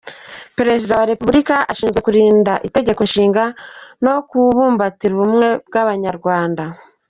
Perezida wa Repubulika ashinzwe kurinda Itegeko Nshinga no kubumbatira ubumwe bw‟Abanyarwanda”.